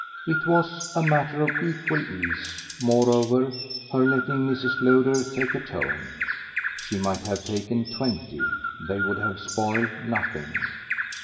It was a matter of equal ease, moreover, her letting Mrs. Lowder take a tone. She might have taken twenty they would have spoiled nothing.